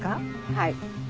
はい。